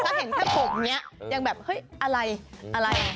ถ้าเห็นทางผมนี้ยังแบบเฮ้ยอะไรอะไร